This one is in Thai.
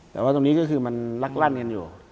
แต่ว่าตรงนี้ก็คือมันลักลั่นกันอยู่